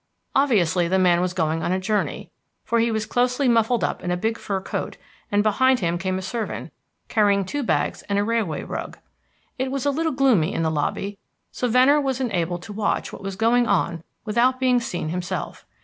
Obviously the man was going on a journey, for he was closely muffled up in a big fur coat, and behind him came a servant, carrying two bags and a railway rug. It was a little gloomy in the lobby, so Venner was enabled to watch what was going on without being seen himself.